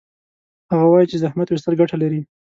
هغه وایي چې زحمت ویستل ګټه لري